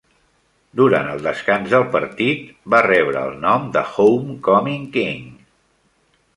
Durant el descans del partit, va rebre el nom de "Homecoming King".